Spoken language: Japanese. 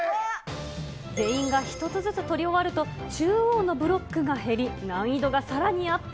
全員が１つずつ取り終わると、中央のブロックが減り、難易度がさらにアップ。